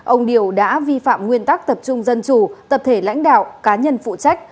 ông điều đã vi phạm nguyên tắc tập trung dân chủ tập thể lãnh đạo cá nhân phụ trách